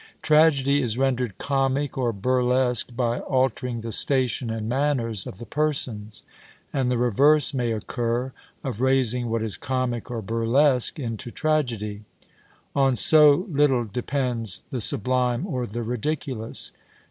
Tragedy is rendered comic or burlesque by altering the station and manners of the persons; and the reverse may occur, of raising what is comic or burlesque into tragedy. On so little depends the sublime or the ridiculous!